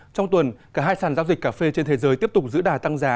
trong tuần cả hai sàn giao dịch cà phê trên thế giới tiếp tục giữ đà tăng giá